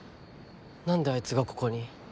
何であいつがここに？